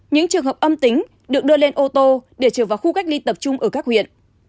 những trường hợp âm tính được đưa lên ô tô để trở vào khu cách ly tập trung ở các huyện